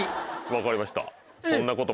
分かりました。